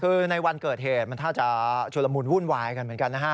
คือในวันเกิดเหตุมันท่าจะชุลมุนวุ่นวายกันเหมือนกันนะฮะ